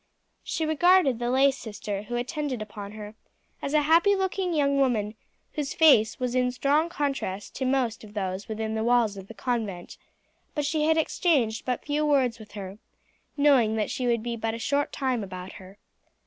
She regarded the lay sister who attended upon her as a happy looking young woman whose face was in strong contrast to most of those within the walls of the convent; but she had exchanged but few words with her, knowing that she would be but a short time about her.